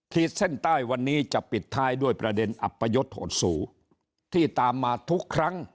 ขีดเส้นใต้วันนี้จะปิดท้ายด้วยประเด็นอัปยศโหดสู่ที่ตามมาทุกครั้ง